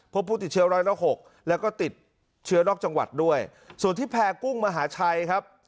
พบผู้ติดเชื้อร้อยละหกแล้วก็ติดเชื้อนอกจังหวัดด้วยส่วนที่แพร่กุ้งมหาชัยครับ